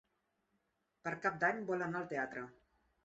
Per Cap d'Any vol anar al teatre.